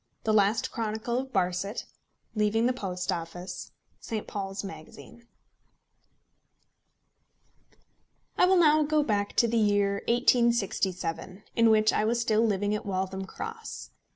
THE LAST CHRONICLE OF BARSET LEAVING THE POST OFFICE ST. PAUL'S MAGAZINE. I will now go back to the year 1867, in which I was still living at Waltham Cross.